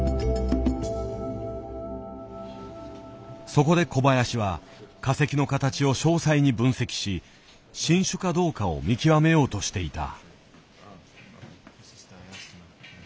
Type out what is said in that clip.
そこで小林は化石の形を詳細に分析し新種かどうかを見極めようとしていた。